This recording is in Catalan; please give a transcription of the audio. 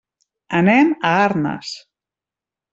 Anem a Arnes.